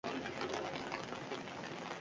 Honako hauek dira leinu honetako enperadoreak.